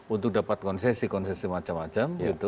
untuk dapat konsesi konsesi macam macam